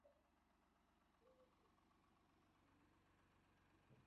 دښته له چاپېریال سره تل غلي ده.